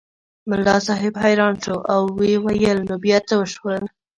ملا صاحب حیران شو او ویې ویل نو بیا څه وشول.